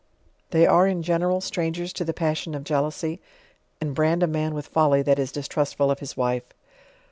They are, in genera), strangers to the passion of jealousy, and brand a man with folly that is distrustful of his wife.